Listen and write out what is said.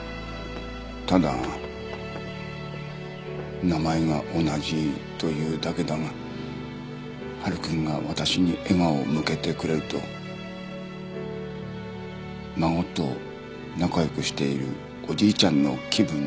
ただ名前が同じというだけだが晴くんが私に笑顔を向けてくれると孫と仲良くしているおじいちゃんの気分になれた。